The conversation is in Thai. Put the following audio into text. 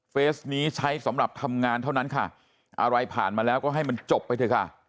เฟสนี้ใช้สำหรับทำงานเท่านั้นค่ะอะไรผ่านมาแล้วก็ให้มันจบไปเถอะค่ะ